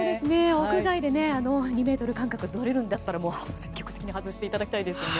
屋外で２ｍ間隔とれるんだったら積極的に外していただきたいですね。